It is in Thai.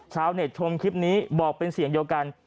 ชาวเน็ตชมคลิปนี้บอกเป็นเสียงเดียวกัน